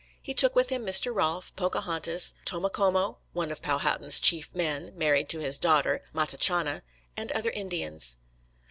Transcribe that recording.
He took with him Mr. Rolfe, Pocahontas, Tomocomo, one of Powhatan's chief men, married to his daughter, Matachanna, and other Indians.